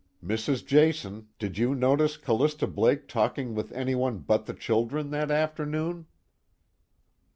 "Mrs. Jason, did you notice Callista Blake talking with anyone but the children that afternoon?"